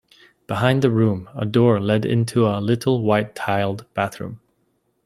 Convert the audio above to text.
Behind the room a door led into a little white-tiled bathroom.